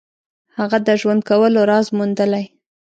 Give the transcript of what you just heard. هغه د ژوند کولو راز موندلی.